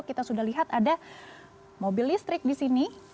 kita sudah lihat ada mobil listrik di sini